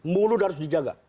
mulut harus dijaga